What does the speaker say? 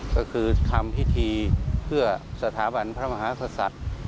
ก็คือทำพิธีเพื่อสถาบันพระมหากษัตริย์